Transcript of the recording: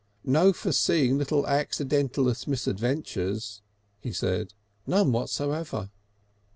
"No foreseeing little accidentulous misadventures," he said, "none whatever."